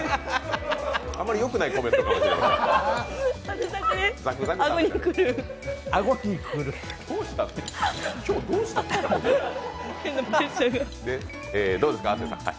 あまりよくないコメントかもしれない。